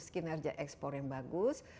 kinerja ekspor yang bagus